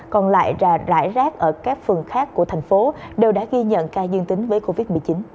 còn lại rải rác ở các phường khác của thành phố đều đã ghi nhận ca dương tính với covid một mươi chín